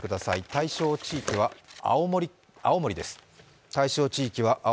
対象地域は青森です。